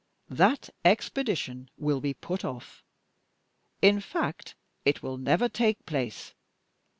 That expedition will be put off: in fact it will never take place.